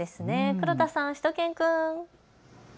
黒田さん、しゅと犬くん。